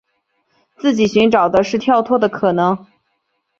自己寻找的是跳脱的可能